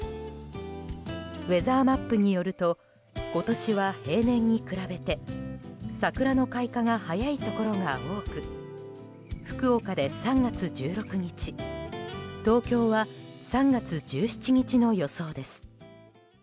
ウェザーマップによると今年は平年に比べて桜の開花が早いところが多く福岡で３月１６日東京は３月１７日の予想です。